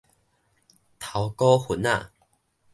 頭股份仔